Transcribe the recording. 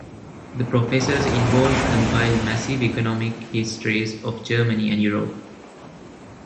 The professors involved compiled massive economic histories of Germany and Europe.